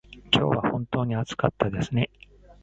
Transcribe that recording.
今日は本当に暑かったですね。